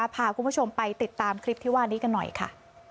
พาคุณผู้ชมไปติดตามคลิปที่ว่านี้กันหน่อยค่ะ